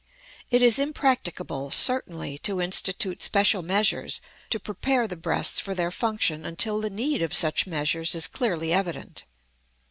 It is impracticable, certainly, to institute special measures to prepare the breasts for their function until the need of such measures is clearly evident.